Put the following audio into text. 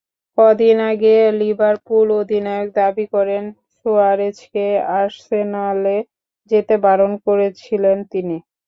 কদিন আগে লিভারপুল অধিনায়ক দাবি করেন, সুয়ারেজকে আর্সেনালে যেতে বারণ করেছিলেন তিনি।